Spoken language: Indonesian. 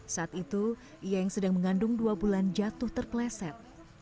saat itu ia yang sedang mengandung dua bulan jatuh terpleset